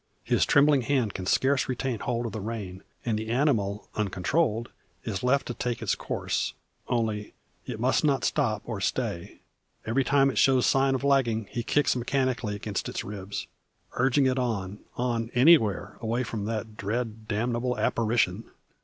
His trembling hand can scarce retain hold of the rein; and the animal, uncontrolled, is left to take its course only, it must not stop or stay. Every time it shows sign of lagging, he kicks mechanically against its ribs, urging it on, on, anywhere away from that dread damnable apparition.